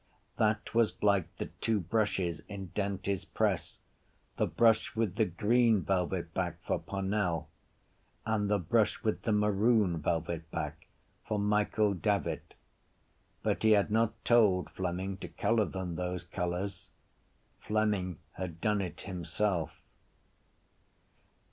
That was like the two brushes in Dante’s press, the brush with the green velvet back for Parnell and the brush with the maroon velvet back for Michael Davitt. But he had not told Fleming to colour them those colours. Fleming had done it himself.